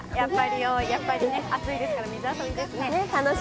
やっぱり暑いですから、水遊びですね。